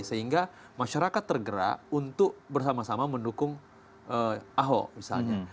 sehingga masyarakat tergerak untuk bersama sama mendukung ahok misalnya